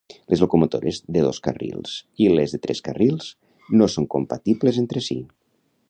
Les locomotores de dos carrils i les de tres carrils no són compatibles entre si.